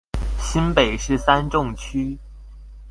新北市三重區